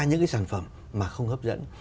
những cái sản phẩm mà không hấp dẫn